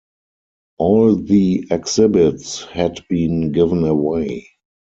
All the exhibits had been given away.